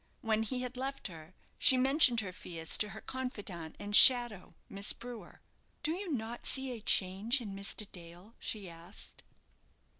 When he had left her, she mentioned her fears to her confidante and shadow, Miss Brewer. "Do you not see a change in Mr. Dale?" she asked.